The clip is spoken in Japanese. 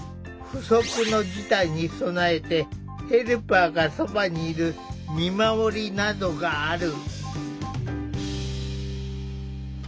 不測の事態に備えてヘルパーがそばにいる「見守り」などがある。